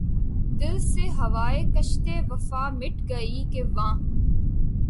دل سے ہواے کشتِ وفا مٹ گئی کہ واں